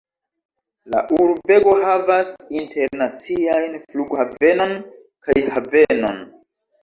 La urbego havas internaciajn flughavenon kaj havenon.